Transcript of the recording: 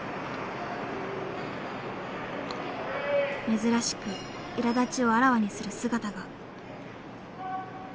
珍しくいらだちをあらわにする姿が。